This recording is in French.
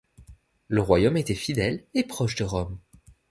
Le royaume était fidèle et proche de Rome.